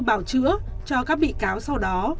bảo chữa cho các bị cáo sau đó